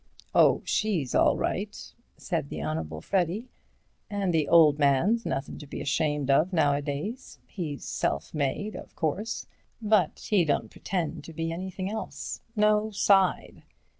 "Oh, she's all right," said the Honourable Freddy, "and the old man's nothing to be ashamed of nowadays. He's self made, of course, but he don't pretend to be anything else. No side.